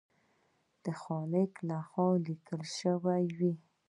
د خالق لخوا لیکل شوي وي.